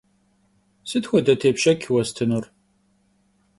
Sıt xuede têpşeç vuestınur?